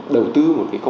đầu tư một cái công ty